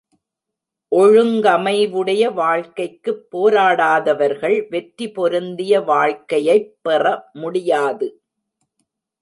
ஒழுங்கமைவுடைய வாழ்க்கைக்குப் போராடாதவர்கள் வெற்றி பொருந்திய வாழ்க்கையைப் பெற முடியாது.